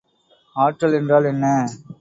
ஆற்றல் என்றால் என்ன?